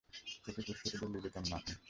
তোকে খুঁজতে তো দিল্লি যেতাম না আমি।